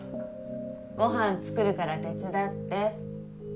ご飯作るから手伝って。